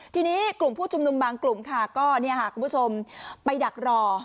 ทีนี้กลุ่มผู้ชุมนุมบางกลุ่มค่ะก็คุณผู้ชมไปดักรอ